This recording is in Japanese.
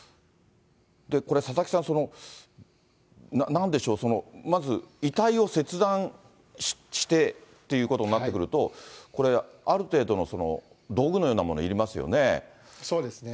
佐々木さん、なんでしょう、まず、遺体を切断してということになってくると、これ、ある程度の道具のようなもの、そうですね。